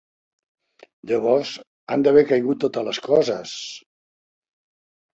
Llavors, han d'haver caigut totes les coses!